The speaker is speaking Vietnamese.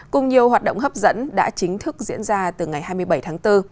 cùng nhiều hoạt động hấp dẫn đã chính thức diễn ra từ ngày hai mươi bảy tháng bốn